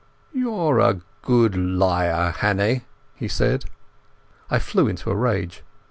"You're a good liar, Hannay," he said. I flew into a rage.